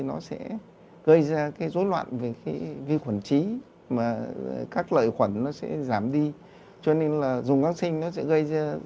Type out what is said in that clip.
nó sẽ gây ra cái rối loạn về cái vi khuẩn chí mà các lợi khuẩn nó sẽ giảm đi cho nên là dùng kháng sinh nó sẽ gây ra